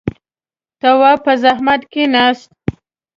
تواب په زحمت کېناست.